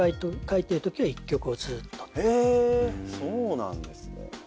へぇそうなんですね。